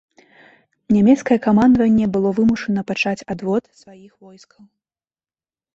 Нямецкае камандаванне было вымушана пачаць адвод сваіх войскаў.